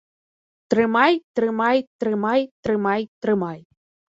Трымай, трымай, трымай, трымай, трымай.